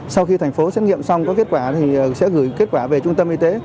sau khi thành phố xét nghiệm xong có kết quả thì sẽ gửi kết quả về trung tâm y tế